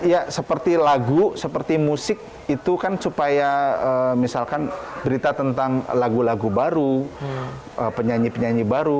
ya seperti lagu seperti musik itu kan supaya misalkan berita tentang lagu lagu baru penyanyi penyanyi baru